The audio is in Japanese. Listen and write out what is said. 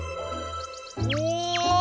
お！